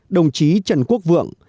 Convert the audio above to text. đồng chí trần quốc vượng